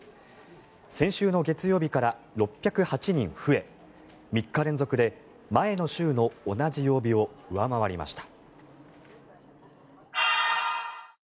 先週の月曜日から６０８人増え３日連続で前の週の同じ曜日を上回りました。